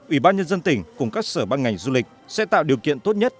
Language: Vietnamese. ủy ban nhân dân tỉnh cùng các sở ban ngành du lịch sẽ tạo điều kiện tốt nhất